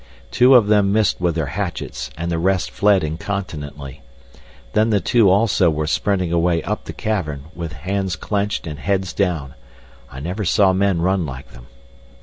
Two of them missed with their hatchets, and the rest fled incontinently. Then the two also were sprinting away up the cavern, with hands clenched and heads down. I never saw men run like them!